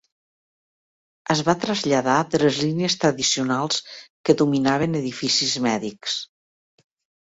Es va traslladar de les línies tradicionals que dominaven edificis mèdics.